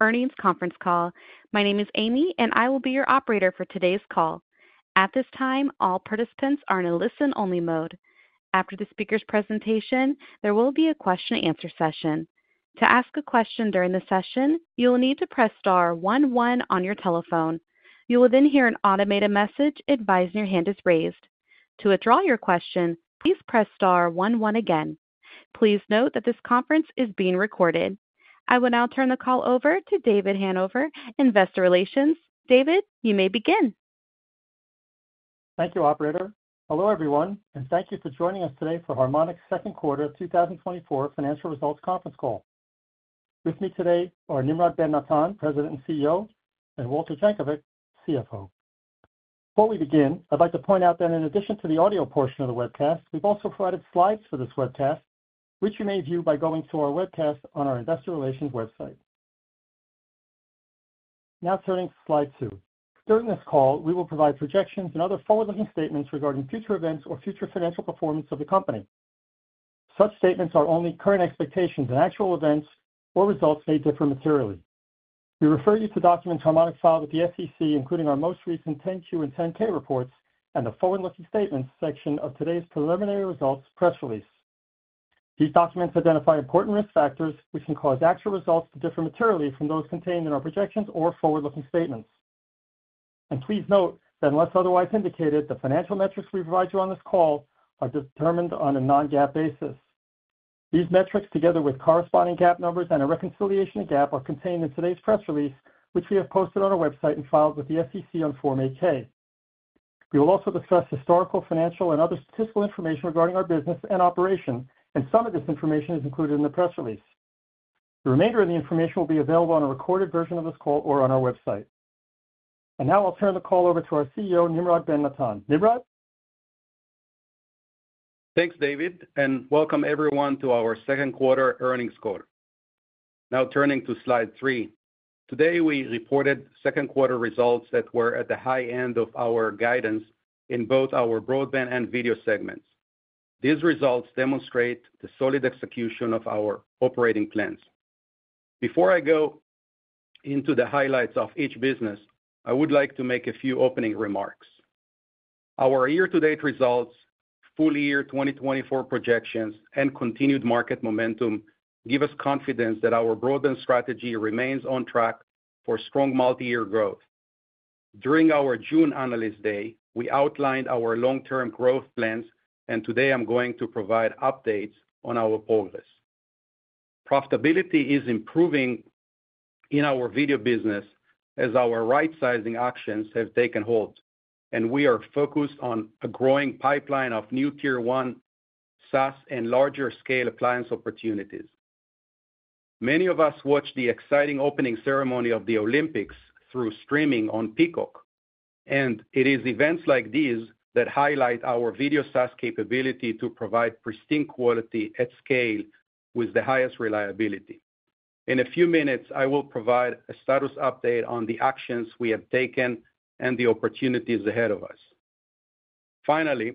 Earnings conference call. My name is Amy, and I will be your operator for today's call. At this time, all participants are in a listen-only mode. After the speaker's presentation, there will be a question-and-answer session. To ask a question during the session, you will need to press star one one on your telephone. You will then hear an automated message advising your hand is raised. To withdraw your question, please press star one one again. Please note that this conference is being recorded. I will now turn the call over to David Hanover, Investor Relations. David, you may begin. Thank you, Operator. Hello, everyone, and thank you for joining us today for Harmonic Second Quarter 2024 Financial Results Conference Call. With me today are Nimrod Ben-Natan, President and CEO, and Walter Jankovic, CFO. Before we begin, I'd like to point out that in addition to the audio portion of the webcast, we've also provided slides for this webcast, which you may view by going to our webcast on our Investor Relations website. Now, turning to slide two. During this call, we will provide projections and other forward-looking statements regarding future events or future financial performance of the company. Such statements are only current expectations, and actual events or results may differ materially. We refer you to documents Harmonic filed with the SEC, including our most recent 10-Q and 10-K reports and the forward-looking statements section of today's preliminary results press release. These documents identify important risk factors which can cause actual results to differ materially from those contained in our projections or forward-looking statements. Please note that unless otherwise indicated, the financial metrics we provide you on this call are determined on a non-GAAP basis. These metrics, together with corresponding GAAP numbers and a reconciliation to GAAP, are contained in today's press release, which we have posted on our website and filed with the SEC on Form 8-K. We will also discuss historical, financial, and other statistical information regarding our business and operation, and some of this information is included in the press release. The remainder of the information will be available on a recorded version of this call or on our website. Now I'll turn the call over to our CEO, Nimrod Ben-Natan. Nimrod? Thanks, David, and welcome everyone to our second quarter earnings call. Now, turning to slide three. Today, we reported second quarter results that were at the high end of our guidance in both our broadband and video segments. These results demonstrate the solid execution of our operating plans. Before I go into the highlights of each business, I would like to make a few opening remarks. Our year-to-date results, full year 2024 projections, and continued market momentum give us confidence that our broadband strategy remains on track for strong multi-year growth. During our June analyst day, we outlined our long-term growth plans, and today I'm going to provide updates on our progress. Profitability is improving in our video business as our right-sizing actions have taken hold, and we are focused on a growing pipeline of new tier one SaaS and larger scale appliance opportunities. Many of us watched the exciting opening ceremony of the Olympics through streaming on Peacock, and it is events like these that highlight our video SaaS capability to provide pristine quality at scale with the highest reliability. In a few minutes, I will provide a status update on the actions we have taken and the opportunities ahead of us. Finally,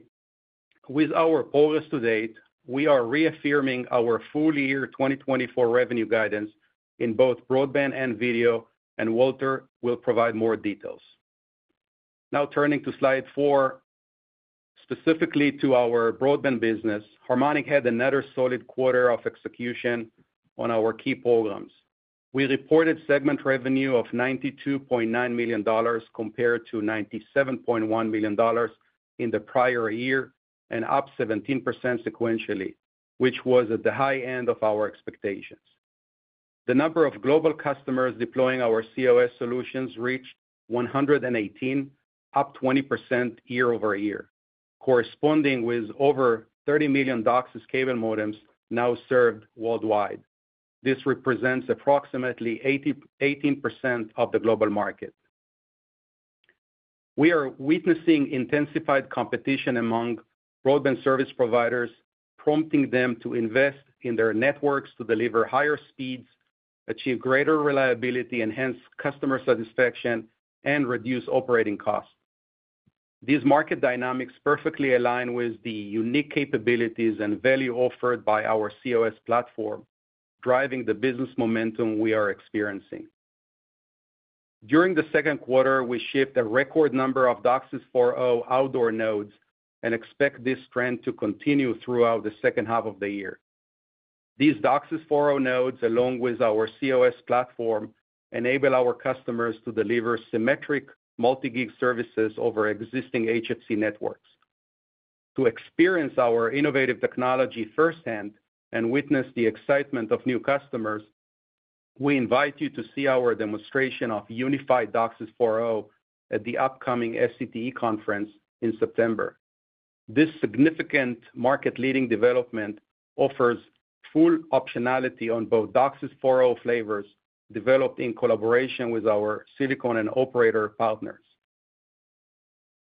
with our progress to date, we are reaffirming our full year 2024 revenue guidance in both broadband and video, and Walter will provide more details. Now, turning to slide four, specifically to our broadband business, Harmonic had another solid quarter of execution on our key programs. We reported segment revenue of $92.9 million compared to $97.1 million in the prior year and up 17% sequentially, which was at the high end of our expectations. The number of global customers deploying our cOS solutions reached 118, up 20% year-over-year, corresponding with over 30 million DOCSIS cable modems now served worldwide. This represents approximately 18% of the global market. We are witnessing intensified competition among broadband service providers, prompting them to invest in their networks to deliver higher speeds, achieve greater reliability, enhance customer satisfaction, and reduce operating costs. These market dynamics perfectly align with the unique capabilities and value offered by our cOS platform, driving the business momentum we are experiencing. During the second quarter, we shipped a record number of DOCSIS 4.0 outdoor nodes and expect this trend to continue throughout the second half of the year. These DOCSIS 4.0 nodes, along with our cOS platform, enable our customers to deliver symmetric multi-gig services over existing HFC networks. To experience our innovative technology firsthand and witness the excitement of new customers, we invite you to see our demonstration of unified DOCSIS 4.0 at the upcoming SCTE conference in September. This significant market-leading development offers full optionality on both DOCSIS 4.0 flavors developed in collaboration with our Silicon and Operator partners.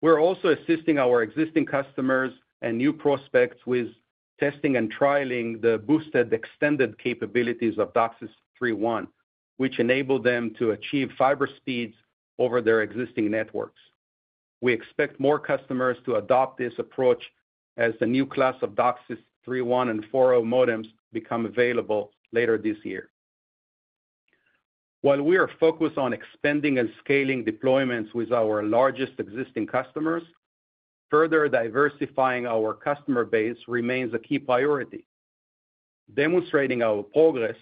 We're also assisting our existing customers and new prospects with testing and trialing the boosted extended capabilities of DOCSIS 3.1, which enable them to achieve fiber speeds over their existing networks. We expect more customers to adopt this approach as a new class of DOCSIS 3.1 and 4.0 modems become available later this year. While we are focused on expanding and scaling deployments with our largest existing customers, further diversifying our customer base remains a key priority. Demonstrating our progress,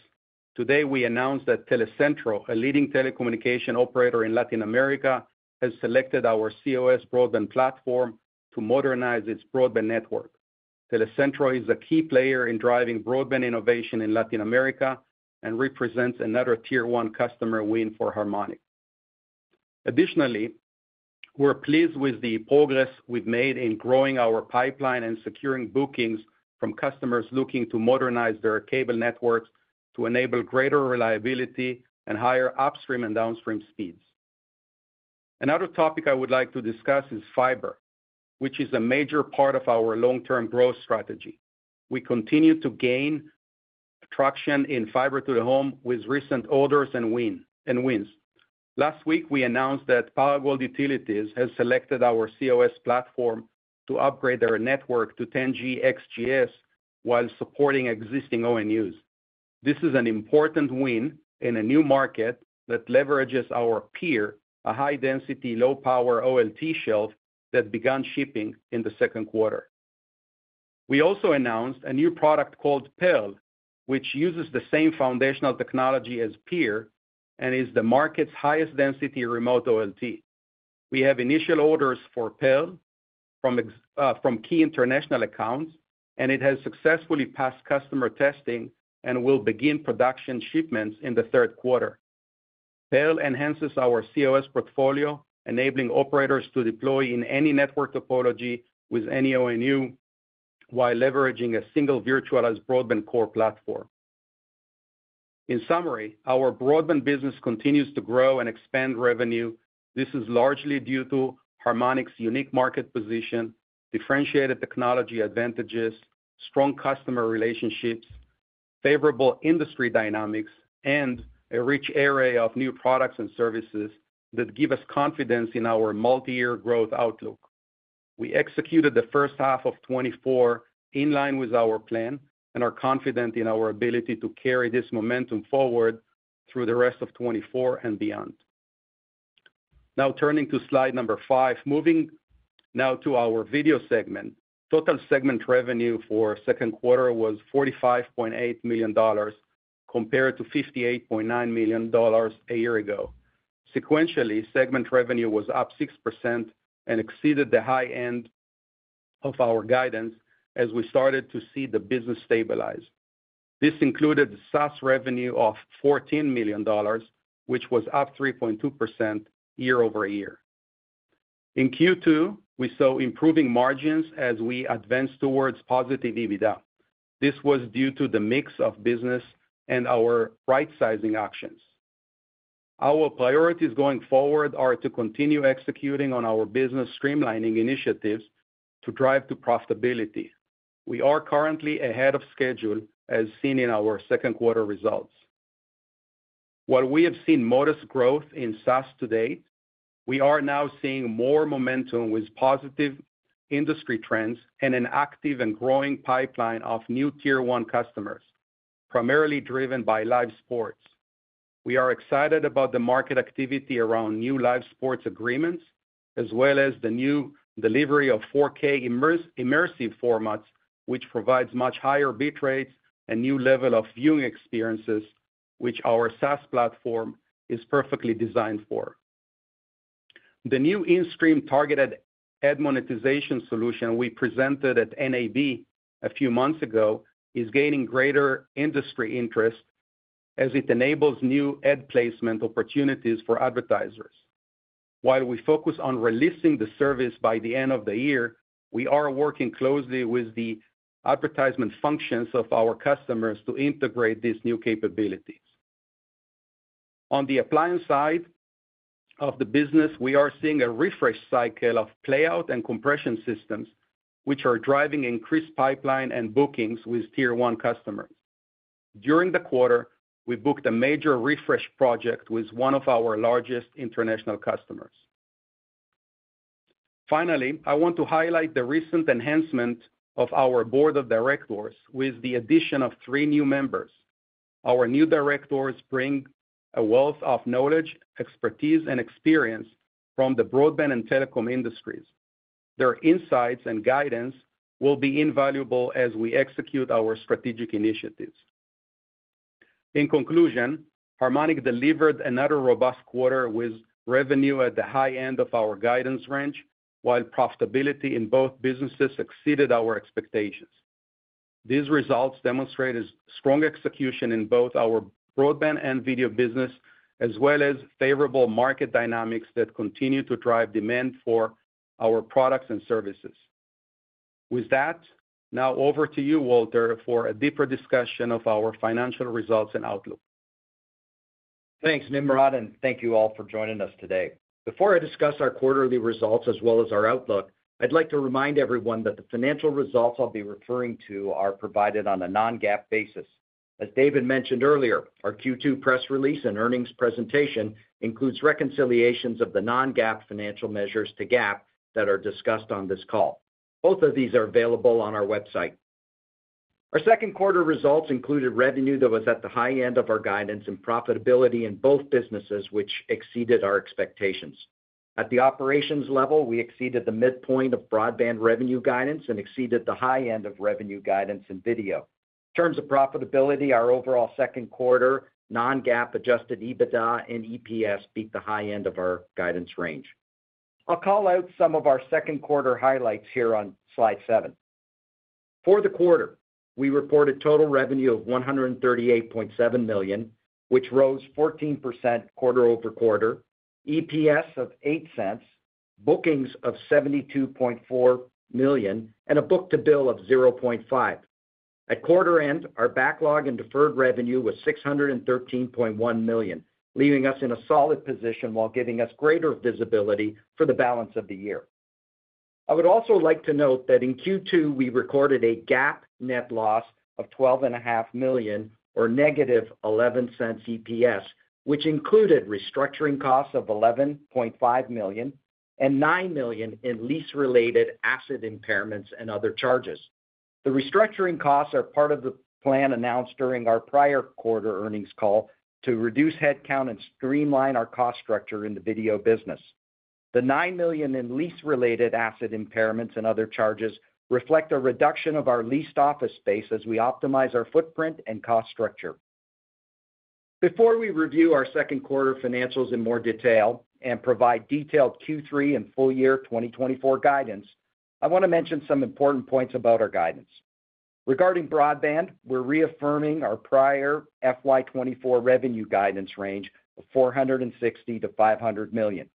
today we announced that Telecentro, a leading telecommunications operator in Latin America, has selected our cOS broadband platform to modernize its broadband network. Telecentro is a key player in driving broadband innovation in Latin America and represents another tier one customer win for Harmonic. Additionally, we're pleased with the progress we've made in growing our pipeline and securing bookings from customers looking to modernize their cable networks to enable greater reliability and higher upstream and downstream speeds. Another topic I would like to discuss is fiber, which is a major part of our long-term growth strategy. We continue to gain traction in fiber to the home with recent orders and wins. Last week, we announced that Paragou Utilities has selected our cOS platform to upgrade their network to 10G XGS while supporting existing ONUs. This is an important win in a new market that leverages our Pier, a high-density, low-power OLT shelf that began shipping in the second quarter. We also announced a new product called Pearl, which uses the same foundational technology as Pier and is the market's highest-density remote OLT. We have initial orders for Pearl from key international accounts, and it has successfully passed customer testing and will begin production shipments in the third quarter. Pearl enhances our cOS portfolio, enabling operators to deploy in any network topology with any ONU while leveraging a single virtualized broadband core platform. In summary, our broadband business continues to grow and expand revenue. This is largely due to Harmonic's unique market position, differentiated technology advantages, strong customer relationships, favorable industry dynamics, and a rich array of new products and services that give us confidence in our multi-year growth outlook. We executed the first half of 2024 in line with our plan and are confident in our ability to carry this momentum forward through the rest of 2024 and beyond. Now, turning to slide number five, moving now to our video segment, total segment revenue for second quarter was $45.8 million compared to $58.9 million a year ago. Sequentially, segment revenue was up 6% and exceeded the high end of our guidance as we started to see the business stabilize. This included SaaS revenue of $14 million, which was up 3.2% year-over-year. In Q2, we saw improving margins as we advanced towards positive EBITDA. This was due to the mix of business and our right-sizing actions. Our priorities going forward are to continue executing on our business streamlining initiatives to drive profitability. We are currently ahead of schedule, as seen in our second quarter results. While we have seen modest growth in SaaS to date, we are now seeing more momentum with positive industry trends and an active and growing pipeline of new tier one customers, primarily driven by live sports. We are excited about the market activity around new live sports agreements, as well as the new delivery of 4K immersive formats, which provides much higher bit rates and a new level of viewing experiences, which our SaaS platform is perfectly designed for. The new in-stream targeted ad monetization solution we presented at NAB a few months ago is gaining greater industry interest as it enables new ad placement opportunities for advertisers. While we focus on releasing the service by the end of the year, we are working closely with the advertisement functions of our customers to integrate these new capabilities. On the appliance side of the business, we are seeing a refresh cycle of playout and compression systems, which are driving increased pipeline and bookings with tier one customers. During the quarter, we booked a major refresh project with one of our largest international customers. Finally, I want to highlight the recent enhancement of our board of directors with the addition of three new members. Our new directors bring a wealth of knowledge, expertise, and experience from the broadband and telecom industries. Their insights and guidance will be invaluable as we execute our strategic initiatives. In conclusion, Harmonic delivered another robust quarter with revenue at the high end of our guidance range, while profitability in both businesses exceeded our expectations. These results demonstrate a strong execution in both our broadband and video business, as well as favorable market dynamics that continue to drive demand for our products and services. With that, now over to you, Walter, for a deeper discussion of our financial results and outlook. Thanks, Nimrod, and thank you all for joining us today. Before I discuss our quarterly results as well as our outlook, I'd like to remind everyone that the financial results I'll be referring to are provided on a non-GAAP basis. As David mentioned earlier, our Q2 press release and earnings presentation includes reconciliations of the non-GAAP financial measures to GAAP that are discussed on this call. Both of these are available on our website. Our second quarter results included revenue that was at the high end of our guidance and profitability in both businesses, which exceeded our expectations. At the operations level, we exceeded the midpoint of broadband revenue guidance and exceeded the high end of revenue guidance in video. In terms of profitability, our overall second quarter non-GAAP adjusted EBITDA and EPS beat the high end of our guidance range. I'll call out some of our second quarter highlights here on slide 7. For the quarter, we reported total revenue of $138.7 million, which rose 14% quarter-over-quarter, EPS of $0.08, bookings of $72.4 million, and a book-to-bill of 0.5. At quarter end, our backlog and deferred revenue was $613.1 million, leaving us in a solid position while giving us greater visibility for the balance of the year. I would also like to note that in Q2, we recorded a GAAP net loss of $12.5 million or -$0.11 EPS, which included restructuring costs of $11.5 million and $9 million in lease-related asset impairments and other charges. The restructuring costs are part of the plan announced during our prior quarter earnings call to reduce headcount and streamline our cost structure in the video business. The $9 million in lease-related asset impairments and other charges reflect a reduction of our leased office space as we optimize our footprint and cost structure. Before we review our second quarter financials in more detail and provide detailed Q3 and full year 2024 guidance, I want to mention some important points about our guidance. Regarding broadband, we're reaffirming our prior FY24 revenue guidance range of $460-$500 million.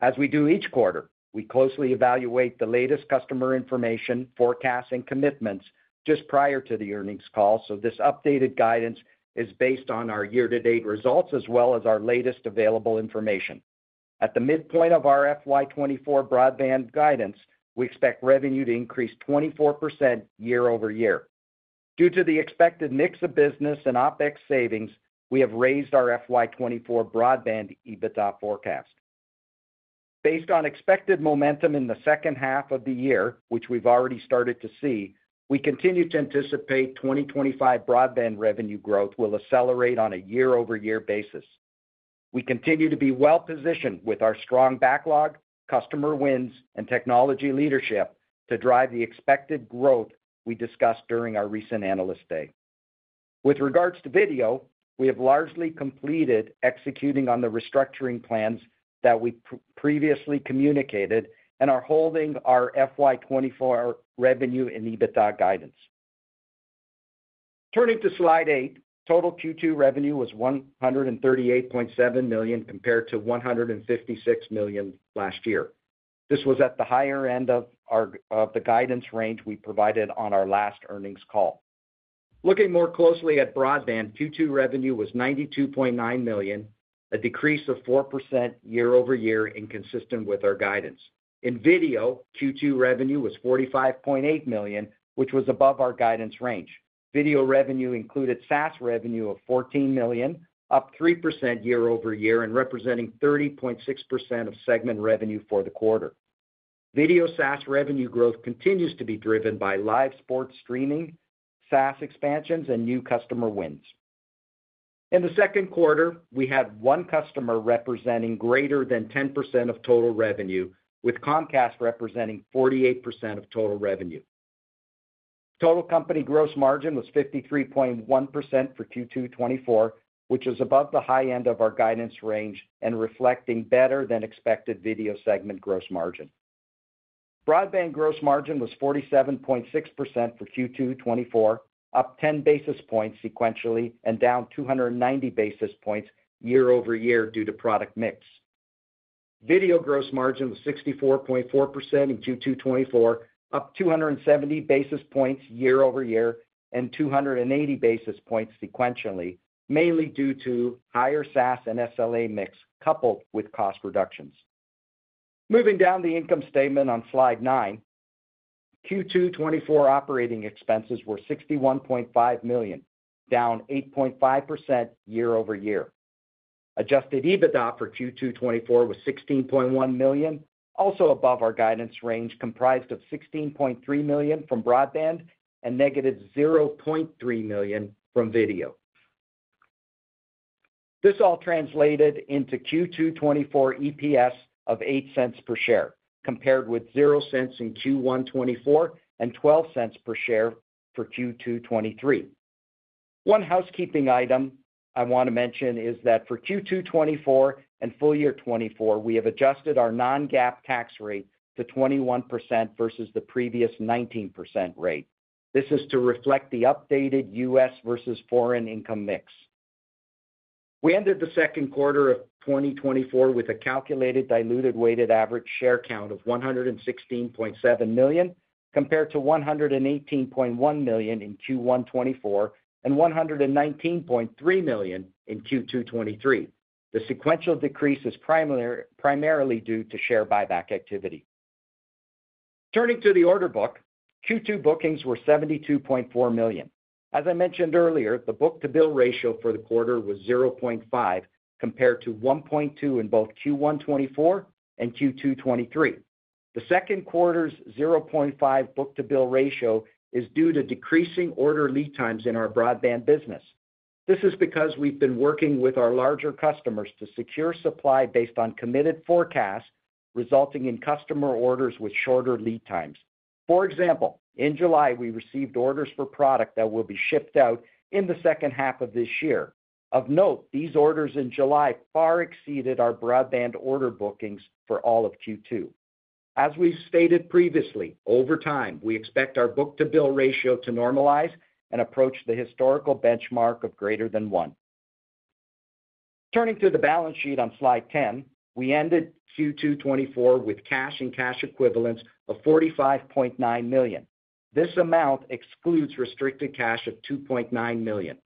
As we do each quarter, we closely evaluate the latest customer information, forecasts, and commitments just prior to the earnings call, so this updated guidance is based on our year-to-date results as well as our latest available information. At the midpoint of our FY24 broadband guidance, we expect revenue to increase 24% year-over-year. Due to the expected mix of business and OpEx savings, we have raised our FY24 broadband EBITDA forecast. Based on expected momentum in the second half of the year, which we've already started to see, we continue to anticipate 2025 broadband revenue growth will accelerate on a year-over-year basis. We continue to be well-positioned with our strong backlog, customer wins, and technology leadership to drive the expected growth we discussed during our recent analyst day. With regards to video, we have largely completed executing on the restructuring plans that we previously communicated and are holding our FY2024 revenue and EBITDA guidance. Turning to slide eight, total Q2 revenue was $138.7 million compared to $156 million last year. This was at the higher end of the guidance range we provided on our last earnings call. Looking more closely at broadband, Q2 revenue was $92.9 million, a decrease of 4% year-over-year, inconsistent with our guidance. In video, Q2 revenue was $45.8 million, which was above our guidance range. Video revenue included SaaS revenue of $14 million, up 3% year-over-year and representing 30.6% of segment revenue for the quarter. Video SaaS revenue growth continues to be driven by live sports streaming, SaaS expansions, and new customer wins. In the second quarter, we had one customer representing greater than 10% of total revenue, with Comcast representing 48% of total revenue. Total company gross margin was 53.1% for Q2 2024, which is above the high end of our guidance range and reflecting better than expected video segment gross margin. Broadband gross margin was 47.6% for Q2 2024, up 10 basis points sequentially and down 290 basis points year-over-year due to product mix. Video gross margin was 64.4% in Q2 2024, up 270 basis points year-over-year and 280 basis points sequentially, mainly due to higher SaaS and SLA mix coupled with cost reductions. Moving down the income statement on slide 9, Q2 2024 operating expenses were $61.5 million, down 8.5% year-over-year. Adjusted EBITDA for Q2 2024 was $16.1 million, also above our guidance range comprised of $16.3 million from broadband and negative $0.3 million from video. This all translated into Q2 2024 EPS of $0.08 per share, compared with $0.00 in Q1 2024 and $0.12 per share for Q2 2023. One housekeeping item I want to mention is that for Q2 2024 and full year 2024, we have adjusted our non-GAAP tax rate to 21% versus the previous 19% rate. This is to reflect the updated U.S. versus foreign income mix. We ended the second quarter of 2024 with a calculated diluted weighted average share count of 116.7 million compared to 118.1 million in Q1 2024 and 119.3 million in Q2 2023. The sequential decrease is primarily due to share buyback activity. Turning to the order book, Q2 bookings were $72.4 million. As I mentioned earlier, the book-to-bill ratio for the quarter was 0.5 compared to 1.2 in both Q1 2024 and Q2 2023. The second quarter's 0.5 book-to-bill ratio is due to decreasing order lead times in our broadband business. This is because we've been working with our larger customers to secure supply based on committed forecasts, resulting in customer orders with shorter lead times. For example, in July, we received orders for product that will be shipped out in the second half of this year. Of note, these orders in July far exceeded our broadband order bookings for all of Q2. As we've stated previously, over time, we expect our book-to-bill ratio to normalize and approach the historical benchmark of greater than one. Turning to the balance sheet on slide 10, we ended Q2 2024 with cash and cash equivalents of $45.9 million. This amount excludes restricted cash of $2.9 million.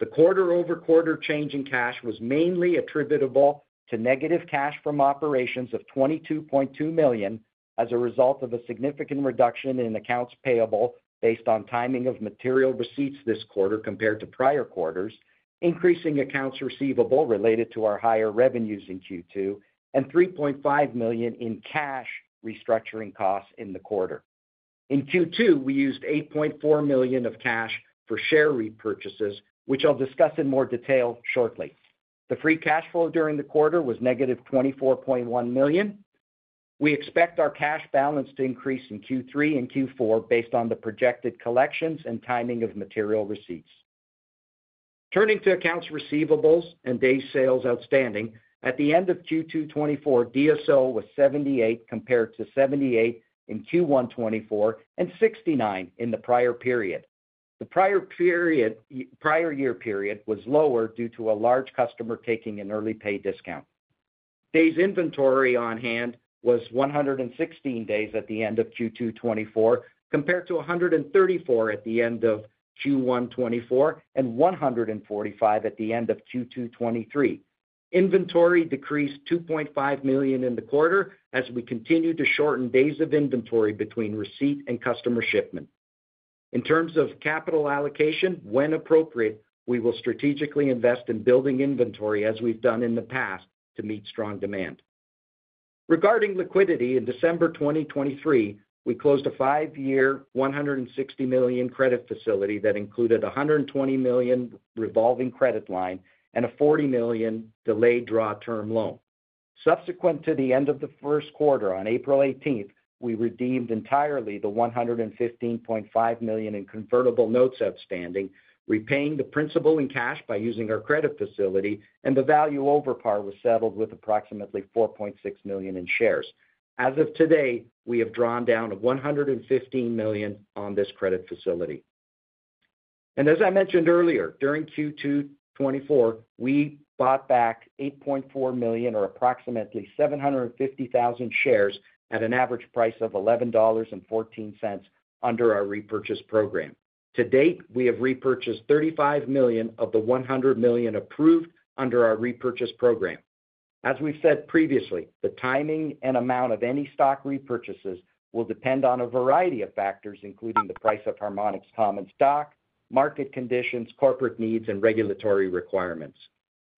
The quarter-over-quarter change in cash was mainly attributable to negative cash from operations of $22.2 million as a result of a significant reduction in accounts payable based on timing of material receipts this quarter compared to prior quarters, increasing accounts receivable related to our higher revenues in Q2, and $3.5 million in cash restructuring costs in the quarter. In Q2, we used $8.4 million of cash for share repurchases, which I'll discuss in more detail shortly. The free cash flow during the quarter was -$24.1 million. We expect our cash balance to increase in Q3 and Q4 based on the projected collections and timing of material receipts. Turning to accounts receivables and day sales outstanding, at the end of Q2 2024, DSO was $78 compared to $78 in Q1 2024 and $69 in the prior period. The prior year period was lower due to a large customer taking an early pay discount. Days inventory on hand was 116 days at the end of Q2 2024 compared to 134 at the end of Q1 2024 and 145 at the end of Q2 2023. Inventory decreased $2.5 million in the quarter as we continue to shorten days of inventory between receipt and customer shipment. In terms of capital allocation, when appropriate, we will strategically invest in building inventory as we've done in the past to meet strong demand. Regarding liquidity, in December 2023, we closed a five-year $160 million credit facility that included a $120 million revolving credit line and a $40 million delayed draw term loan. Subsequent to the end of the first quarter, on April 18th, we redeemed entirely the $115.5 million in convertible notes outstanding, repaying the principal in cash by using our credit facility, and the value over par was settled with approximately $4.6 million in shares. As of today, we have drawn down $115 million on this credit facility. And as I mentioned earlier, during Q2 2024, we bought back $8.4 million or approximately 750,000 shares at an average price of $11.14 under our repurchase program. To date, we have repurchased $35 million of the $100 million approved under our repurchase program. As we've said previously, the timing and amount of any stock repurchases will depend on a variety of factors, including the price of Harmonic's common stock, market conditions, corporate needs, and regulatory requirements.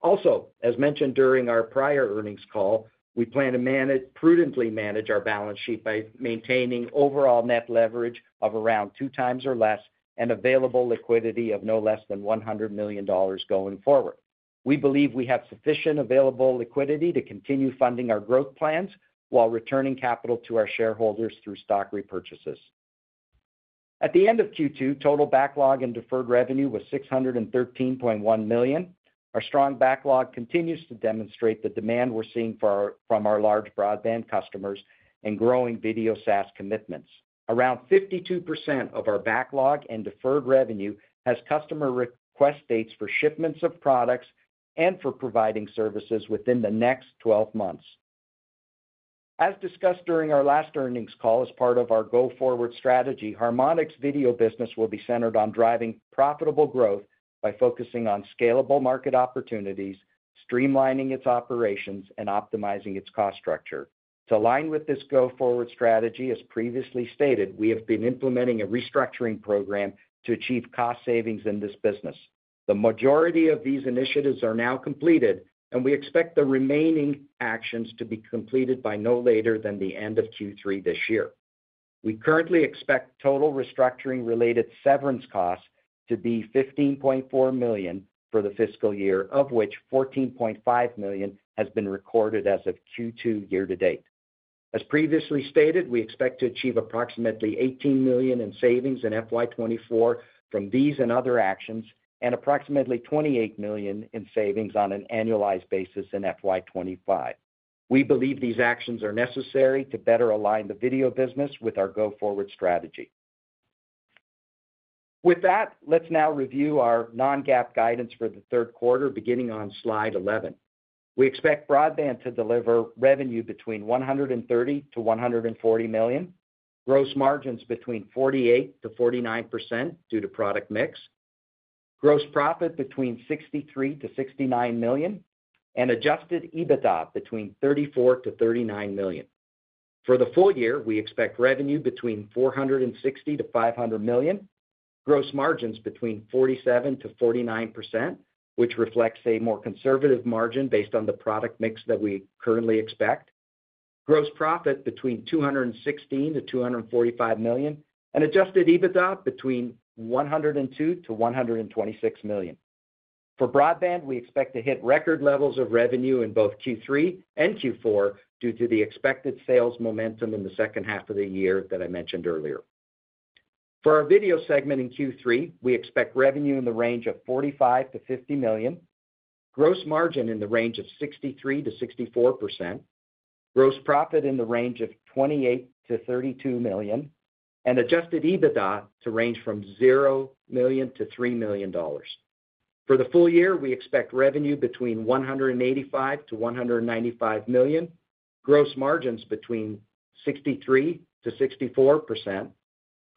Also, as mentioned during our prior earnings call, we plan to prudently manage our balance sheet by maintaining overall net leverage of around 2x or less and available liquidity of no less than $100 million going forward. We believe we have sufficient available liquidity to continue funding our growth plans while returning capital to our shareholders through stock repurchases. At the end of Q2, total backlog and deferred revenue was $613.1 million. Our strong backlog continues to demonstrate the demand we're seeing from our large broadband customers and growing video SaaS commitments. Around 52% of our backlog and deferred revenue has customer request dates for shipments of products and for providing services within the next 12 months. As discussed during our last earnings call, as part of our go-forward strategy, Harmonic's video business will be centered on driving profitable growth by focusing on scalable market opportunities, streamlining its operations, and optimizing its cost structure. To align with this go-forward strategy, as previously stated, we have been implementing a restructuring program to achieve cost savings in this business. The majority of these initiatives are now completed, and we expect the remaining actions to be completed by no later than the end of Q3 this year. We currently expect total restructuring-related severance costs to be $15.4 million for the fiscal year, of which $14.5 million has been recorded as of Q2 year-to-date. As previously stated, we expect to achieve approximately $18 million in savings in FY24 from these and other actions and approximately $28 million in savings on an annualized basis in FY25. We believe these actions are necessary to better align the video business with our go-forward strategy. With that, let's now review our non-GAAP guidance for the third quarter beginning on slide 11. We expect broadband to deliver revenue between $130-$140 million, gross margins between 48%-49% due to product mix, gross profit between $63-$69 million, and adjusted EBITDA between $34-$39 million. For the full year, we expect revenue between $460-$500 million, gross margins between 47%-49%, which reflects a more conservative margin based on the product mix that we currently expect, gross profit between $216-$245 million, and adjusted EBITDA between $102-$126 million. For broadband, we expect to hit record levels of revenue in both Q3 and Q4 due to the expected sales momentum in the second half of the year that I mentioned earlier. For our video segment in Q3, we expect revenue in the range of $45-$50 million, gross margin in the range of 63%-64%, gross profit in the range of $28-$32 million, and adjusted EBITDA to range from $0-$3 million. For the full year, we expect revenue between $185-$195 million, gross margins between 63%-64%,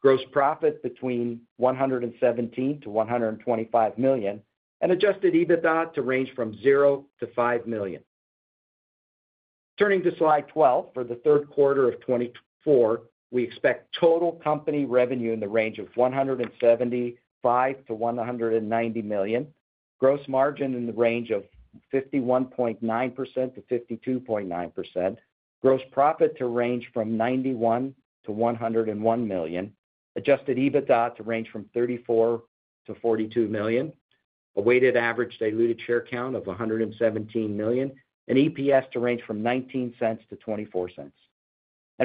gross profit between $117-$125 million, and adjusted EBITDA to range from $0-$5 million. Turning to slide 12, for the third quarter of 2024, we expect total company revenue in the range of $175-$190 million, gross margin in the range of 51.9%-52.9%, gross profit to range from $91-$101 million, adjusted EBITDA to range from $34-$42 million, a weighted average diluted share count of 117 million, and EPS to range from $0.19-$0.24.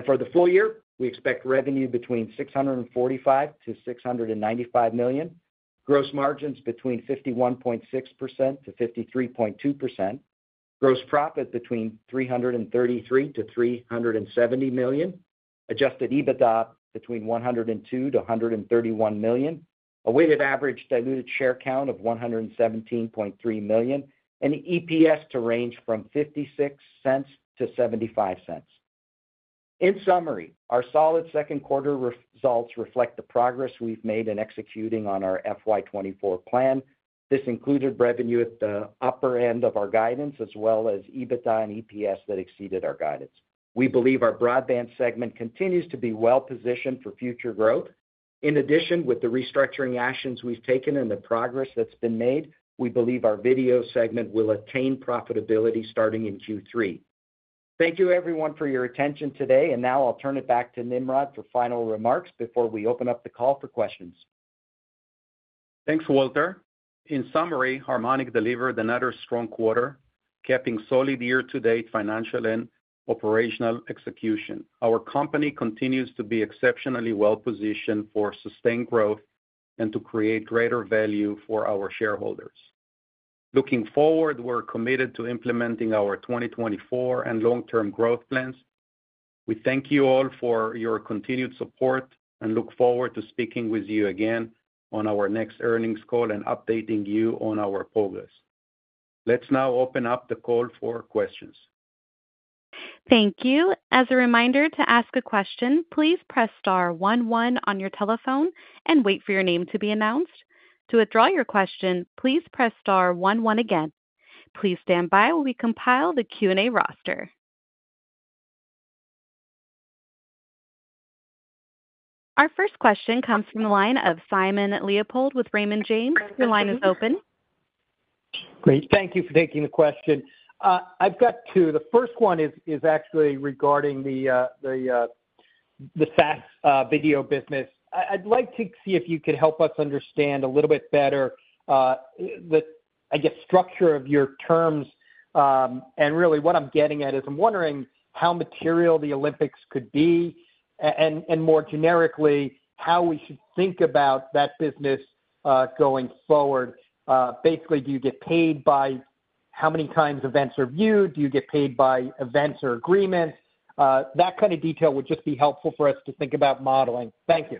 For the full year, we expect revenue between $645-$695 million, gross margins between 51.6%-53.2%, gross profit between $333-$370 million, adjusted EBITDA between $102-$131 million, a weighted average diluted share count of $117.3 million, and EPS to range from $0.56-$0.75. In summary, our solid second quarter results reflect the progress we've made in executing on our FY 2024 plan. This included revenue at the upper end of our guidance, as well as EBITDA and EPS that exceeded our guidance. We believe our broadband segment continues to be well-positioned for future growth. In addition, with the restructuring actions we've taken and the progress that's been made, we believe our video segment will attain profitability starting in Q3. Thank you, everyone, for your attention today. Now I'll turn it back to Nimrod for final remarks before we open up the call for questions. Thanks, Walter. In summary, Harmonic delivered another strong quarter, capping solid year-to-date financial and operational execution. Our company continues to be exceptionally well-positioned for sustained growth and to create greater value for our shareholders. Looking forward, we're committed to implementing our 2024 and long-term growth plans. We thank you all for your continued support and look forward to speaking with you again on our next earnings call and updating you on our progress. Let's now open up the call for questions. Thank you. As a reminder, to ask a question, please press star 11 on your telephone and wait for your name to be announced. To withdraw your question, please press star 11 again. Please stand by while we compile the Q&A roster. Our first question comes from the line of Simon Leopold with Raymond James. Your line is open. Great. Thank you for taking the question. I've got two. The first one is actually regarding the SaaS video business. I'd like to see if you could help us understand a little bit better, I guess, the structure of your terms. And really, what I'm getting at is I'm wondering how material the Olympics could be and, more generically, how we should think about that business going forward. Basically, do you get paid by how many times events are viewed? Do you get paid by events or agreements? That kind of detail would just be helpful for us to think about modeling. Thank you.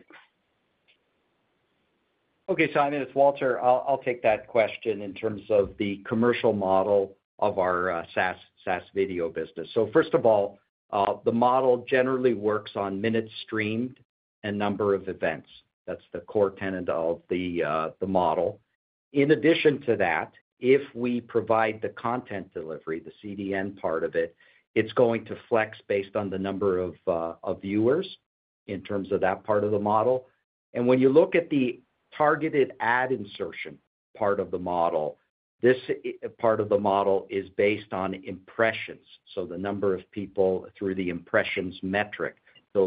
Okay, Simon, it's Walter. I'll take that question in terms of the commercial model of our SaaS video business. First of all, the model generally works on minutes streamed and number of events. That's the core tenet of the model. In addition to that, if we provide the content delivery, the CDN part of it, it's going to flex based on the number of viewers in terms of that part of the model. When you look at the targeted ad insertion part of the model, this part of the model is based on impressions, so the number of people through the impressions metric.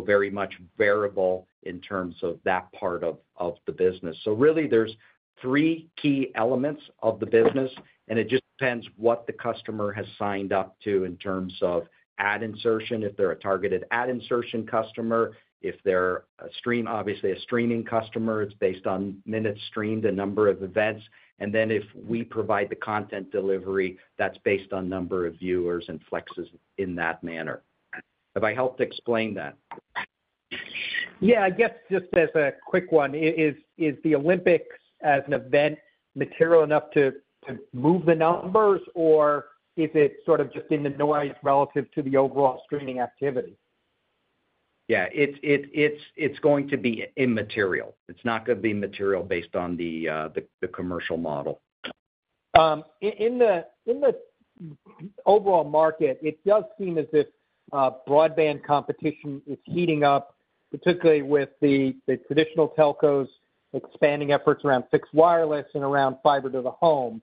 Very much variable in terms of that part of the business. Really, there's three key elements of the business, and it just depends what the customer has signed up to in terms of ad insertion. If they're a targeted ad insertion customer, if they're obviously a streaming customer, it's based on minutes streamed, the number of events. And then if we provide the content delivery, that's based on number of viewers and flexes in that manner. Have I helped explain that? Yeah, I guess just as a quick one, is the Olympics as an event material enough to move the numbers, or is it sort of just in the noise relative to the overall streaming activity? Yeah, it's going to be immaterial. It's not going to be material based on the commercial model. In the overall market, it does seem as if broadband competition is heating up, particularly with the traditional telcos expanding efforts around fixed wireless and around fiber to the home.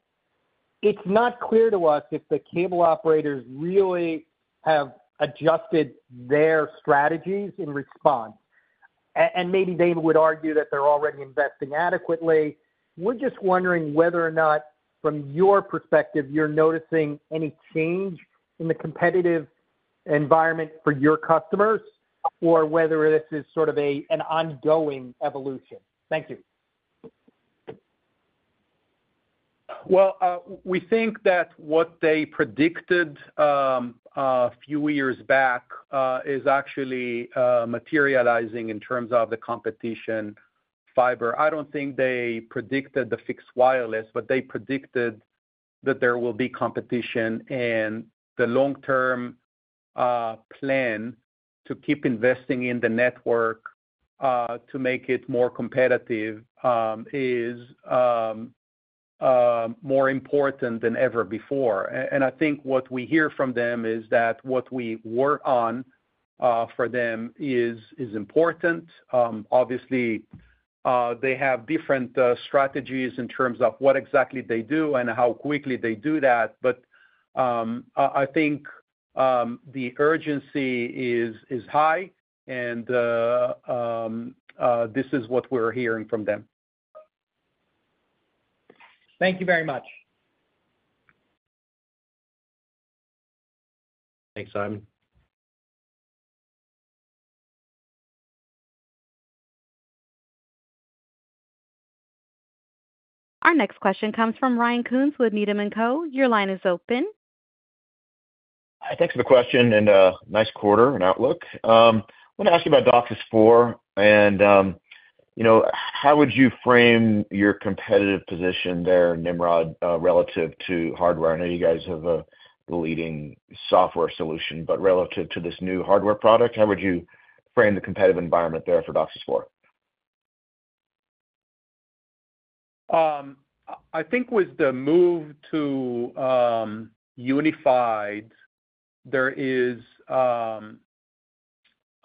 It's not clear to us if the cable operators really have adjusted their strategies in response. And maybe they would argue that they're already investing adequately. We're just wondering whether or not, from your perspective, you're noticing any change in the competitive environment for your customers or whether this is sort of an ongoing evolution. Thank you. Well, we think that what they predicted a few years back is actually materializing in terms of the competition fiber. I don't think they predicted the fixed wireless, but they predicted that there will be competition. And the long-term plan to keep investing in the network to make it more competitive is more important than ever before. And I think what we hear from them is that what we work on for them is important. Obviously, they have different strategies in terms of what exactly they do and how quickly they do that. But I think the urgency is high, and this is what we're hearing from them. Thank you very much. Thanks, Simon. Our next question comes from Ryan Koontz with Needham & Co. Your line is open. Thanks for the question and a nice quarter and outlook. I want to ask you about DOCSIS 4 and how would you frame your competitive position there, Nimrod, relative to hardware? I know you guys have a leading software solution, but relative to this new hardware product, how would you frame the competitive environment there for DOCSIS 4? I think with the move to Unified, there is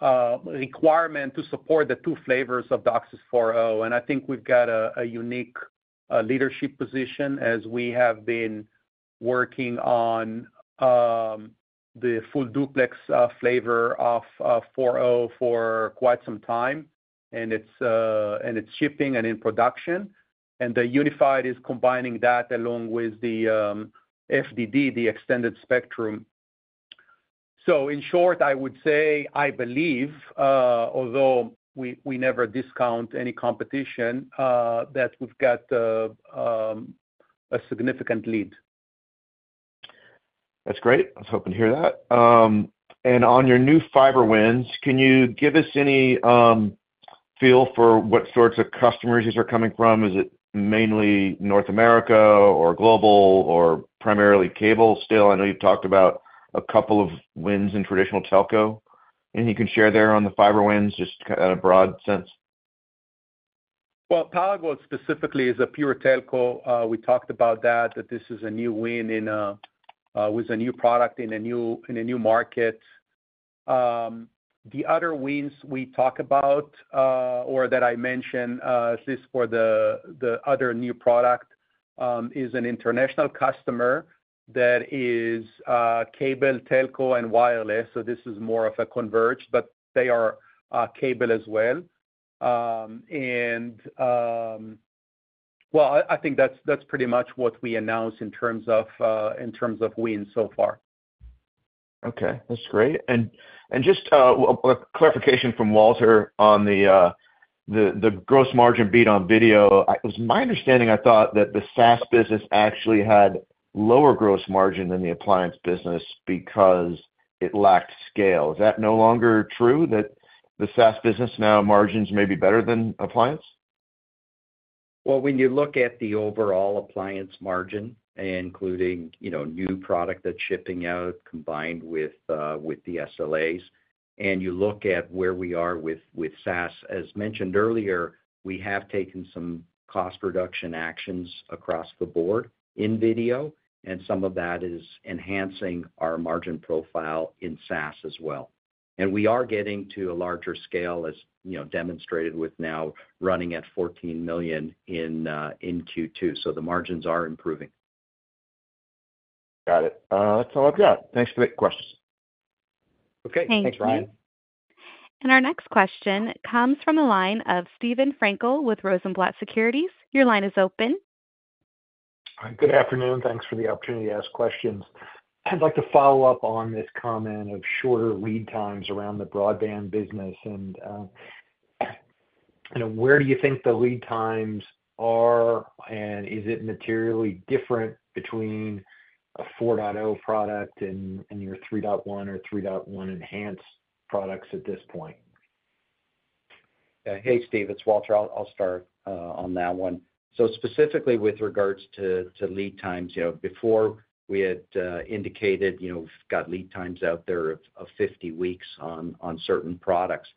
a requirement to support the two flavors of DOCSIS 4.0. And I think we've got a unique leadership position as we have been working on the full duplex flavor of 4.0 for quite some time, and it's shipping and in production. And the Unified is combining that along with the FDD, the extended spectrum. So in short, I would say, I believe, although we never discount any competition, that we've got a significant lead. That's great. I was hoping to hear that. And on your new fiber wins, can you give us any feel for what sorts of customers these are coming from? Is it mainly North America or global or primarily cable still? I know you've talked about a couple of wins in traditional telco. Anything you can share there on the fiber wins just in a broad sense? Well, PowerGo specifically is a pure telco. We talked about that, that this is a new win with a new product in a new market. The other wins we talk about or that I mentioned, at least for the other new product, is an international customer that is cable, telco, and wireless. So this is more of a converged, but they are cable as well. Well, I think that's pretty much what we announced in terms of wins so far. Okay. That's great. And just a clarification from Walter on the gross margin beat on video. It was my understanding I thought that the SaaS business actually had lower gross margin than the appliance business because it lacked scale. Is that no longer true that the SaaS business now margins may be better than appliance? Well, when you look at the overall appliance margin, including new product that's shipping out combined with the SLAs, and you look at where we are with SaaS, as mentioned earlier, we have taken some cost reduction actions across the board in video, and some of that is enhancing our margin profile in SaaS as well. We are getting to a larger scale, as demonstrated with now running at $14 million in Q2. The margins are improving. Got it. That's all I've got. Thanks for the questions. Okay. Thanks, Ryan. Thank you. Our next question comes from the line of Steven Frankel with Rosenblatt Securities. Your line is open. Good afternoon. Thanks for the opportunity to ask questions. I'd like to follow up on this comment of shorter lead times around the broadband business. Where do you think the lead times are, and is it materially different between a 4.0 product and your 3.1 or 3.1 enhanced products at this point? Hey, Steve. It's Walter. I'll start on that one. Specifically with regards to lead times, before we had indicated we've got lead times out there of 50 weeks on certain products.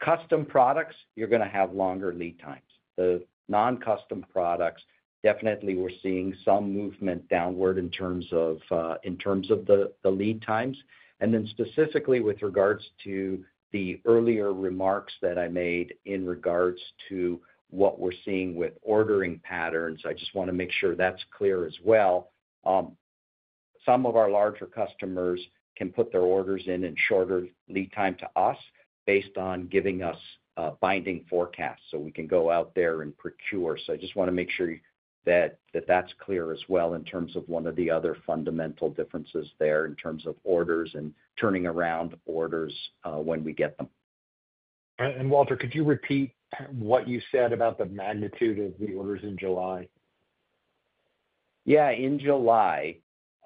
Custom products, you're going to have longer lead times. The non-custom products, definitely we're seeing some movement downward in terms of the lead times. Then specifically with regards to the earlier remarks that I made in regards to what we're seeing with ordering patterns, I just want to make sure that's clear as well. Some of our larger customers can put their orders in shorter lead time to us based on giving us binding forecasts so we can go out there and procure. So I just want to make sure that that's clear as well in terms of one of the other fundamental differences there in terms of orders and turning around orders when we get them. Walter, could you repeat what you said about the magnitude of the orders in July? Yeah. In July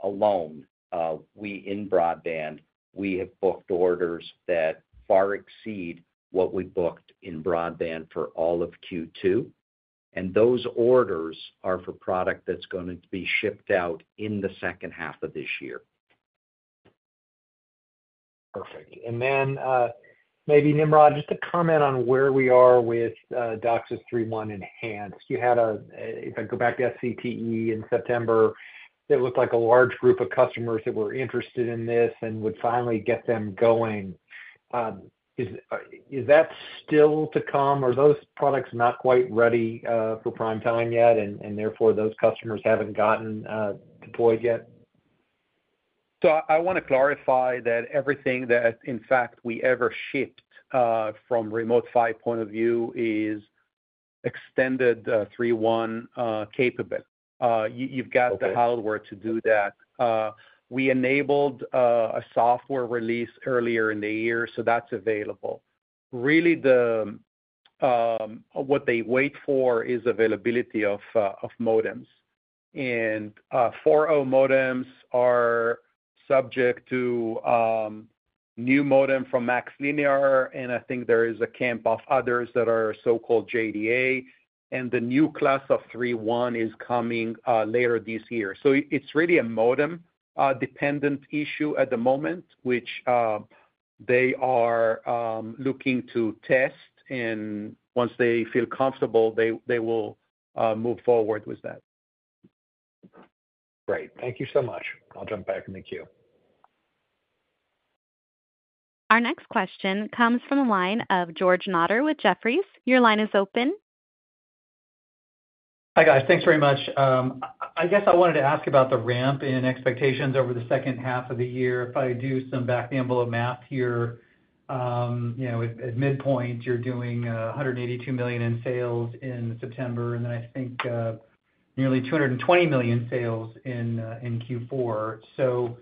alone, in broadband, we have booked orders that far exceed what we booked in broadband for all of Q2. And those orders are for product that's going to be shipped out in the second half of this year. Perfect. And then maybe, Nimrod, just a comment on where we are with DOCSIS 3.1 enhanced. If I go back to SCTE in September, it looked like a large group of customers that were interested in this and would finally get them going. Is that still to come? Are those products not quite ready for prime time yet, and therefore those customers haven't gotten deployed yet? So I want to clarify that everything that, in fact, we ever shipped from a remote PHY point of view is extended 3.1 capable. You've got the hardware to do that. We enabled a software release earlier in the year, so that's available. Really, what they wait for is availability of modems. And 4.0 modems are subject to new modem from MaxLinear, and I think there is a camp of others that are so-called JDA. And the new class of 3.1 is coming later this year. So it's really a modem-dependent issue at the moment, which they are looking to test. And once they feel comfortable, they will move forward with that. Great. Thank you so much. I'll jump back in the queue. Our next question comes from the line of George Notter with Jefferies. Your line is open. Hi guys. Thanks very much. I guess I wanted to ask about the ramp in expectations over the second half of the year. If I do some back of the envelope math here, at midpoint, you're doing $182 million in sales in September, and then I think nearly $220 million sales in Q4. So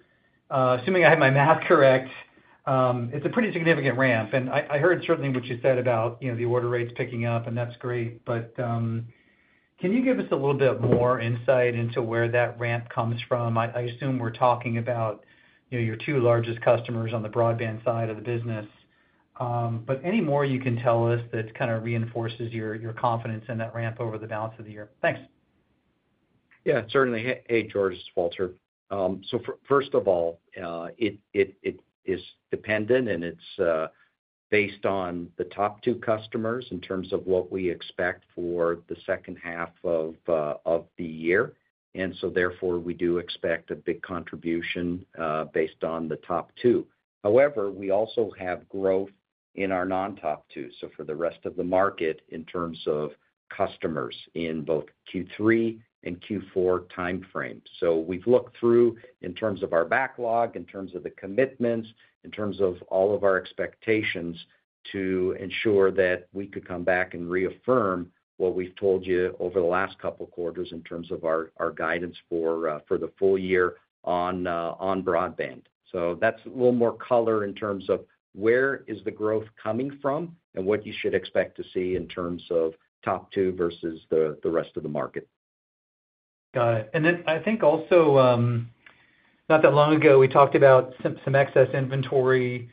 assuming I have my math correct, it's a pretty significant ramp. And I heard certainly what you said about the order rates picking up, and that's great. But can you give us a little bit more insight into where that ramp comes from? I assume we're talking about your two largest customers on the broadband side of the business. But any more you can tell us that kind of reinforces your confidence in that ramp over the balance of the year. Thanks. Yeah, certainly. Hey, George. Walter. So first of all, it is dependent, and it's based on the top two customers in terms of what we expect for the second half of the year. And so therefore, we do expect a big contribution based on the top two. However, we also have growth in our non-top two. So for the rest of the market in terms of customers in both Q3 and Q4 timeframes. So we've looked through in terms of our backlog, in terms of the commitments, in terms of all of our expectations to ensure that we could come back and reaffirm what we've told you over the last couple of quarters in terms of our guidance for the full year on broadband. So that's a little more color in terms of where is the growth coming from and what you should expect to see in terms of top two versus the rest of the market. Got it. And then I think also not that long ago, we talked about some excess inventory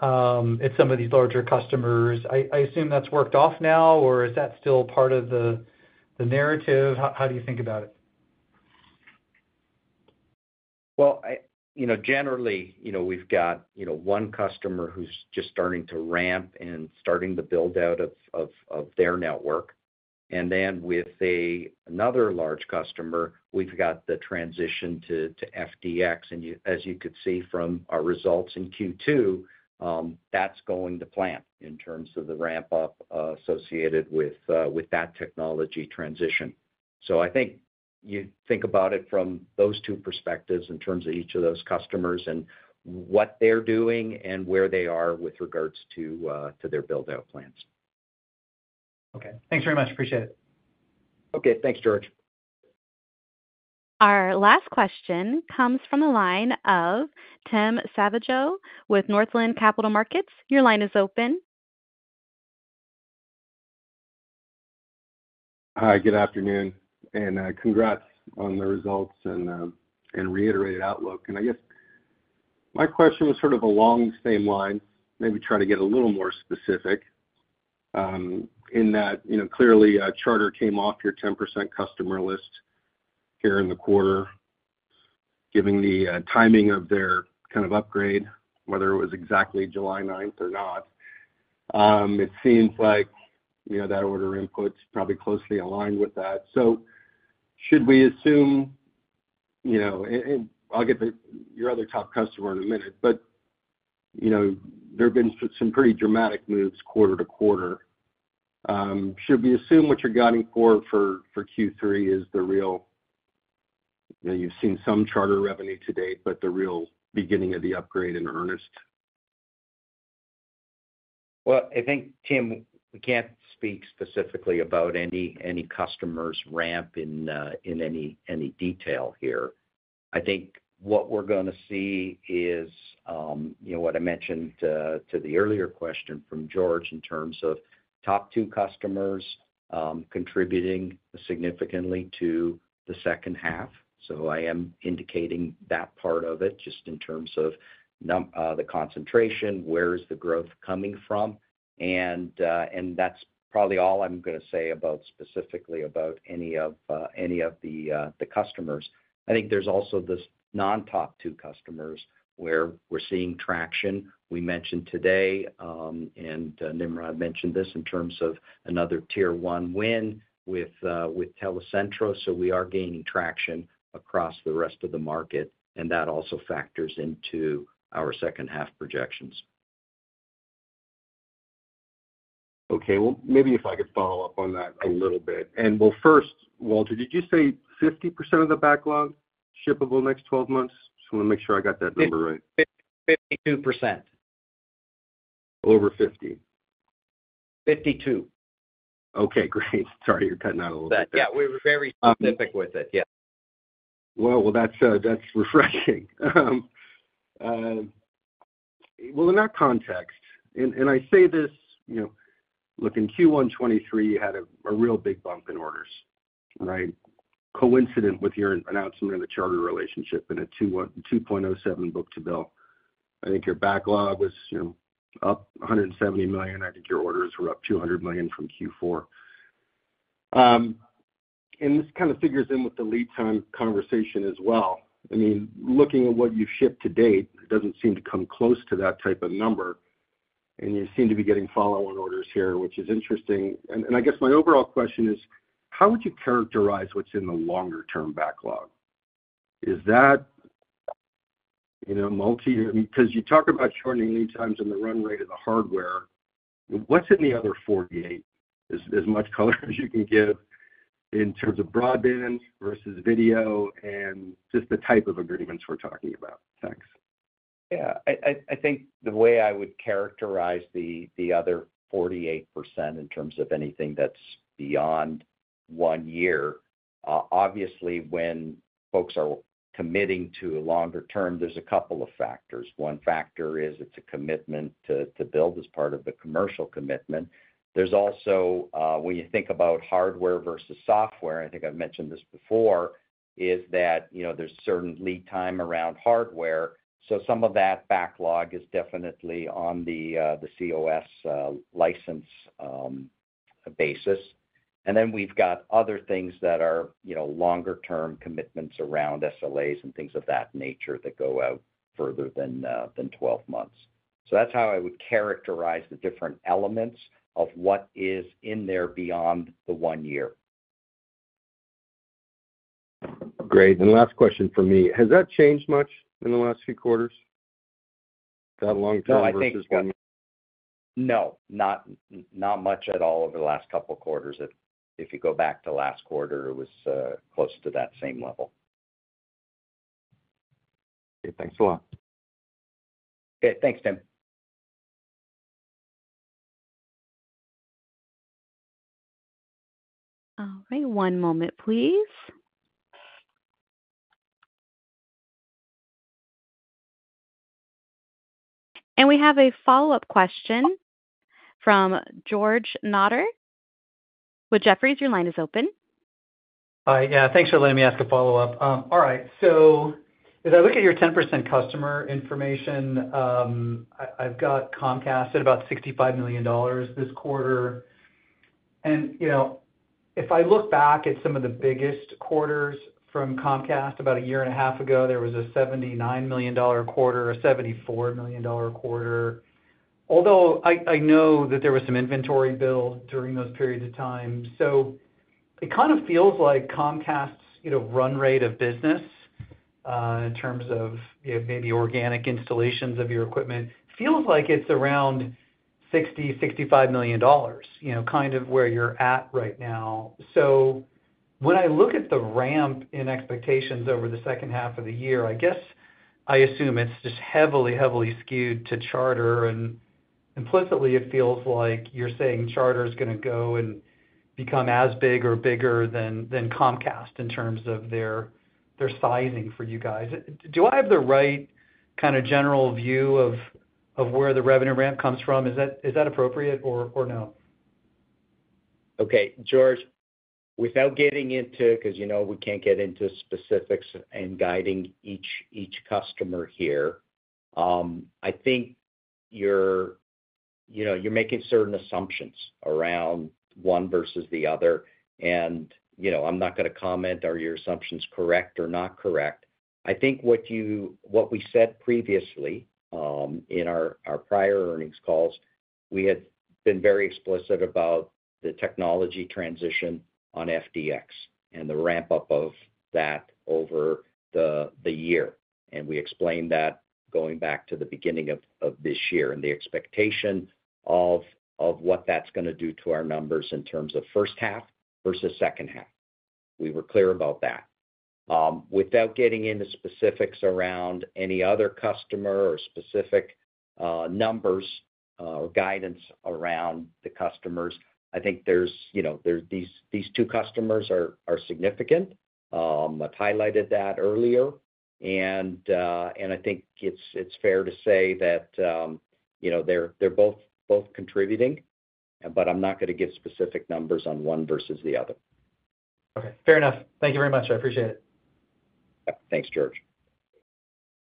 at some of these larger customers. I assume that's worked off now, or is that still part of the narrative? How do you think about it? Well, generally, we've got one customer who's just starting to ramp and starting to build out of their network. And then with another large customer, we've got the transition to FDX. And as you could see from our results in Q2, that's going to plant in terms of the ramp-up associated with that technology transition. So I think you think about it from those two perspectives in terms of each of those customers and what they're doing and where they are with regards to their build-out plans. Okay. Thanks very much. Appreciate it. Okay. Thanks, George. Our last question comes from the line of Tim Savageaux with Northland Capital Markets. Your line is open. Hi. Good afternoon. And congrats on the results and reiterated outlook. And I guess my question was sort of along the same lines, maybe try to get a little more specific in that clearly Charter came off your 10% customer list here in the quarter, giving the timing of their kind of upgrade, whether it was exactly July 9th or not. It seems like that order input's probably closely aligned with that. So should we assume? I'll get your other top customer in a minute, but there have been some pretty dramatic moves quarter-to-quarter. Should we assume what you're gunning for for Q3 is the real you've seen some Charter revenue to date, but the real beginning of the upgrade in earnest? Well, I think, Tim, we can't speak specifically about any customer's ramp in any detail here. I think what we're going to see is what I mentioned to the earlier question from George in terms of top two customers contributing significantly to the second half. So I am indicating that part of it just in terms of the concentration, where is the growth coming from. And that's probably all I'm going to say specifically about any of the customers. I think there's also this non-top two customers where we're seeing traction. We mentioned today, and Nimrod mentioned this in terms of another tier one win with Telecentro. So we are gaining traction across the rest of the market, and that also factors into our second half projections. Okay. Well, maybe if I could follow up on that a little bit. Well, first, Walter, did you say 50% of the backlog shippable next 12 months? Just want to make sure I got that number right. 52%. Over 50. 52. Okay. Great. Sorry, you're cutting out a little bit. Yeah. We were very specific with it. Yeah. Well, that's refreshing. Well, in that context, and I say this, look, in Q1 2023, you had a real big bump in orders, right? Coincident with your announcement of the Charter relationship and a 2.07 book-to-bill. I think your backlog was up $170 million. I think your orders were up $200 million from Q4. And this kind of figures in with the lead time conversation as well. I mean, looking at what you've shipped to date, it doesn't seem to come close to that type of number. And you seem to be getting follow-on orders here, which is interesting. And I guess my overall question is, how would you characterize what's in the longer-term backlog? Is that multi-year? Because you talk about shortening lead times and the run rate of the hardware. What's in the other 48%? As much color as you can give in terms of broadband versus video and just the type of agreements we're talking about. Thanks. Yeah. I think the way I would characterize the other 48% in terms of anything that's beyond one year, obviously, when folks are committing to a longer term, there's a couple of factors. One factor is it's a commitment to build as part of the commercial commitment. There's also, when you think about hardware versus software, I think I've mentioned this before, is that there's certain lead time around hardware. So some of that backlog is definitely on the cOS license basis. And then we've got other things that are longer-term commitments around SLAs and things of that nature that go out further than 12 months. So that's how I would characterize the different elements of what is in there beyond the one year. Great. And last question for me. Has that changed much in the last few quarters? That long-term versus one-year. No, I think it's been no, not much at all over the last couple of quarters. If you go back to last quarter, it was close to that same level. Okay. Thanks a lot. Okay. Thanks, Tim. All right. One moment, please. And we have a follow-up question from George Notter with Jefferies. Your line is open. Hi. Yeah. Thanks for letting me ask a follow-up. All right. So as I look at your 10% customer information, I've got Comcast at about $65 million this quarter. And if I look back at some of the biggest quarters from Comcast about a year and a half ago, there was a $79 million quarter, a $74 million quarter. Although I know that there was some inventory bill during those periods of time. So it kind of feels like Comcast's run rate of business in terms of maybe organic installations of your equipment feels like it's around $60-$65 million, kind of where you're at right now. So when I look at the ramp in expectations over the second half of the year, I guess I assume it's just heavily, heavily skewed to Charter. And implicitly, it feels like you're saying Charter is going to go and become as big or bigger than Comcast in terms of their sizing for you guys. Do I have the right kind of general view of where the revenue ramp comes from? Is that appropriate or no? Okay. George, without getting into because we can't get into specifics and guiding each customer here, I think you're making certain assumptions around one versus the other. I'm not going to comment, are your assumptions correct or not correct. I think what we said previously in our prior earnings calls, we had been very explicit about the technology transition on FDX and the ramp-up of that over the year. We explained that going back to the beginning of this year and the expectation of what that's going to do to our numbers in terms of first half versus second half. We were clear about that. Without getting into specifics around any other customer or specific numbers or guidance around the customers, I think these two customers are significant. I've highlighted that earlier. I think it's fair to say that they're both contributing, but I'm not going to give specific numbers on one versus the other. Okay. Fair enough. Thank you very much. I appreciate it. Thanks, George.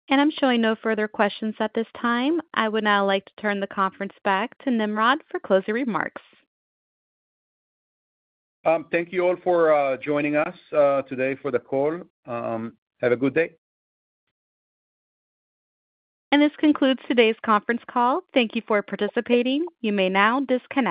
And I'm showing no further questions at this time. I would now like to turn the conference back to Nimrod for closing remarks. Thank you all for joining us today for the call. Have a good day. And this concludes today's conference call. Thank you for participating. You may now disconnect.